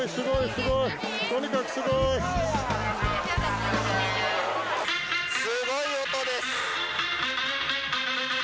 すごい音です。